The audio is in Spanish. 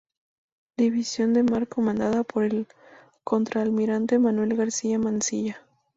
División de Mar comandada por el Contraalmirante Manuel García-Mansilla.